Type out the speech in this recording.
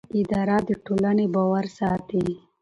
اداره د ټولنې باور ساتي.